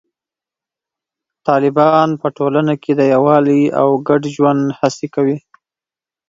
طالبان په ټولنه کې د یووالي او ګډ ژوند هڅې کوي.